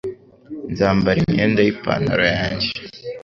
Nzambara imyenda y'ipantaro yanjye.